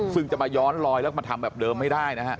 ซึ่งจะมาย้อนลอยแล้วมาทำแบบเดิมไม่ได้นะฮะ